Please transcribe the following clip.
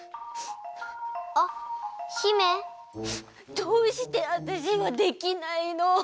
どうしてわたしはできないの。